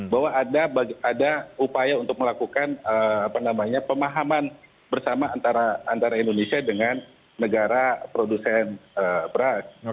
bahwa ada upaya untuk melakukan pemahaman bersama antara indonesia dengan negara produsen beras